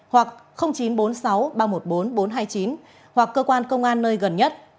hoặc chín trăm bốn mươi sáu ba trăm một mươi bốn bốn trăm hai mươi chín hoặc cơ quan công an nơi gần nhất